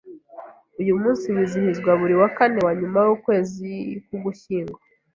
Uyu munsi wizihizwa buri wa kane wanyuma w’ukwezi k’Ugushyingo